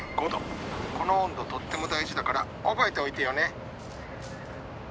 この温度とっても大事だから覚えておいてよね！